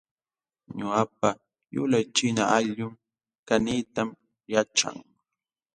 Ñuqapa yulaq china allquu kaniytam yaćhan